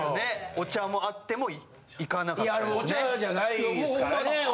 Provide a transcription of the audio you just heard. お茶じゃないんですか？